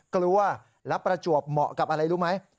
กลัวแล้วประจวบเหมาะกับอะไรรู้ไหม